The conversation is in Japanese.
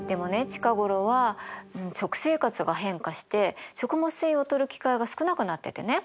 近頃は食生活が変化して食物繊維をとる機会が少なくなっててね。